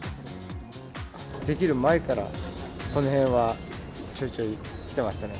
出来る前からこの辺はちょいちょい来てましたね。